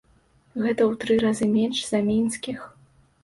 Гэта ў тры разы менш за мінскіх!